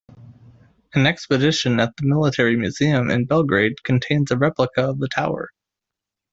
An exhibition at the Military Museum in Belgrade contains a replica of the tower.